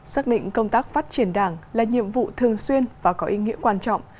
xác định công tác phát triển đảng là nhiệm vụ thường xuyên và có ý nghĩa quan trọng